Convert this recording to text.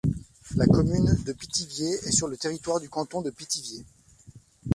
La commune de Pithiviers est sur le territoire du canton de Pithiviers.